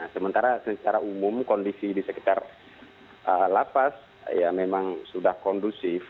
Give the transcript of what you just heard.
sementara secara umum kondisi di sekitar lapas ya memang sudah kondusif